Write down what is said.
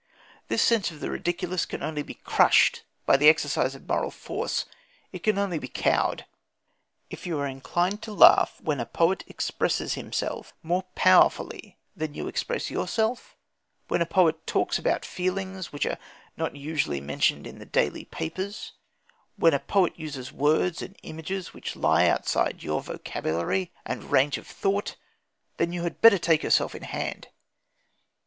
This sense of the ridiculous can only be crushed by the exercise of moral force. It can only be cowed. If you are inclined to laugh when a poet expresses himself more powerfully than you express yourself, when a poet talks about feelings which are not usually mentioned in daily papers, when a poet uses words and images which lie outside your vocabulary and range of thought, then you had better take yourself in hand.